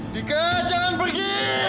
dika jangan pergi